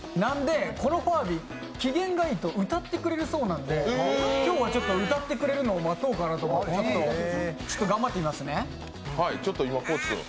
このファービー、機嫌がいいと歌ってくれるそうなんで、今日は歌ってくれるのを待とうかなと思って、ちょっと頑張ってみますね。